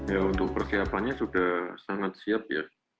ya untuk persiapannya sudah sangat siap ya